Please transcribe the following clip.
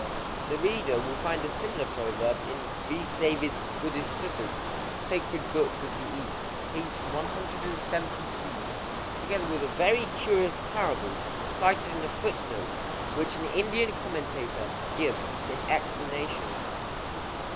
—The reader will find a similar proverb in Rhys David's "Buddhist Suttas" (Sacred Books of the East), p. 173,—together with a very curious parable, cited in a footnote, which an Indian commentator gives in explanation.